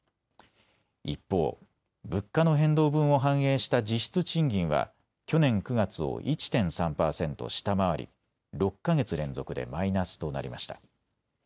一方、物価の変動分を反映した実質賃金は去年９月を１．３％下回り、６か月連続でマイナスとなりました。